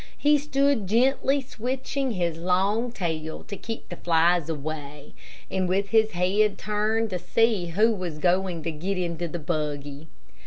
He stood gently switching his long tail to keep the flies away, and with his head turned to see who was going to get into the buggy.